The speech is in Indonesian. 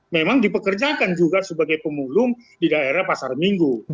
memang dipekerjakan juga sebagai pemulung di daerah pasar minggu